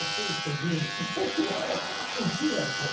１位だよ多分。